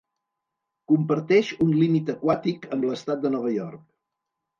Comparteix un límit aquàtic amb l’estat de Nova York.